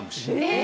え！